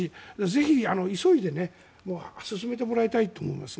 ぜひ、急いで進めてもらいたいと思います。